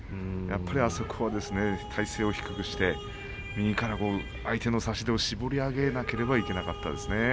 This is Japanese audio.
あそこは体勢を低くして右から相手の差し手を絞り上げなければいけなかったんですね。